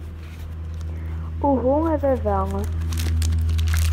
Uhu a baba!